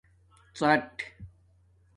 ڎاٹ